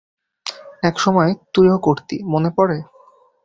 একসময় তুইও করতি, মনে পড়ে?